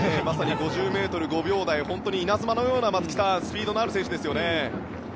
まさに５０ｍ５秒台と本当に稲妻のようなスピードのある選手ですよね。